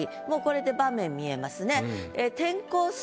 もうこれで場面見えますね。